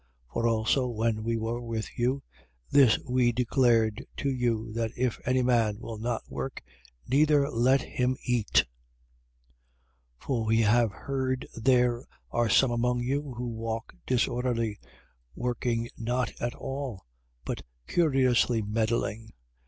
3:10. For also, when we were with you, this we declared to you: that, if any man will not work, neither let him eat. 3:11. For we have heard there are some among you who walk disorderly: working not at all, but curiously meddling.